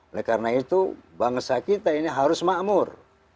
oleh karena itu bangsa kita ini harus makmur